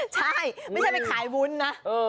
ใช่ไม่ใช่ไปขายวุ้นนะ